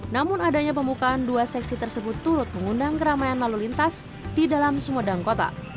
namun adanya pembukaan dua seksi tersebut turut mengundang keramaian lalu lintas di dalam sumedang kota